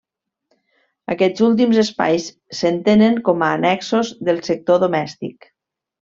Aquests últims espais s'entenen com a annexos del sector domèstic.